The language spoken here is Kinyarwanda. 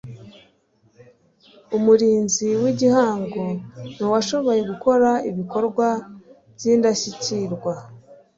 iumurinzi wigihango nuwashoboye gukora ibikorwa byindashyikirwa